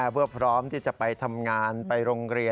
เพื่อพร้อมที่จะไปทำงานไปโรงเรียน